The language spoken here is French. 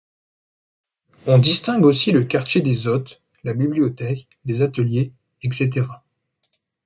On distingue aussi le quartier des hôtes, la bibliothèque, les ateliers, etc.